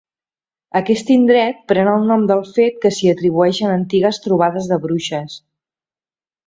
Aquest indret pren el nom del fet que s'hi atribueixen antigues trobades de bruixes.